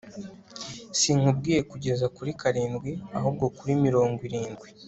sinkubwiye kugeza kuri karindwi, ahubwo kuri mirongo irindwi